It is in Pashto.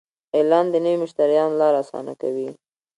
اعلان د نوي مشتریانو لاره اسانه کوي.